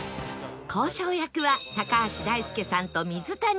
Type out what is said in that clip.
交渉役は橋大輔さんと水谷さん